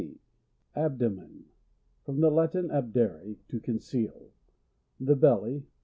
Abdomen. — From the Latin, abdcre, to conceal ; the belly.